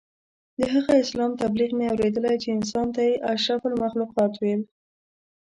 د هغه اسلام تبلیغ مې اورېدلی چې انسان ته یې اشرف المخلوقات ویل.